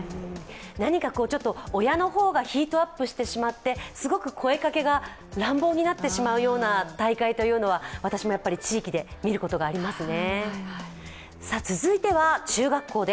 何かちょっと親の方がヒートアップしてしまってすごく声かけが乱暴になってしまうような大会は私も地域で見ることがありますね。